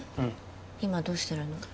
今どうしてるの？